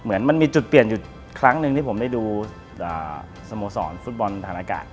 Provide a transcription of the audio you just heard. มันมีจุดเปลี่ยนอยู่ครั้งหนึ่งที่ผมได้ดูสโมสรฟุตบอลฐานอากาศ